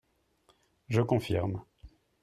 Je confirme